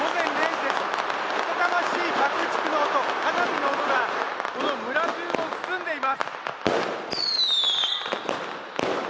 けたたましい爆竹の音花火の音がこの村中を包んでいます。